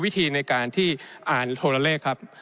วิธีในการที่อ่านโทรเลขครับ